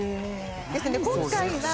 ですので今回はげた箱。